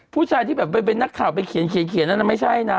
ผู้ชายที่แบบไปเป็นนักข่าวไปเขียนนั้นไม่ใช่นะ